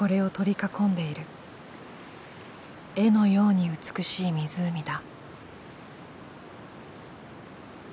絵のように美しい湖だ」。